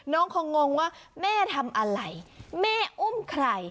น้องคงงว่าแม่ทำอะไรแม่อุ้มใคร